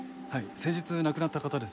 先日亡くなった方ですよね。